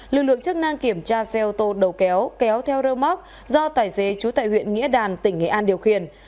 lực lượng chức năng kiểm tra xe ô tô đầu kéo kéo theo rơ móc do tài xế chú tại huyện nghĩa đàn tỉnh nghệ an điều khiển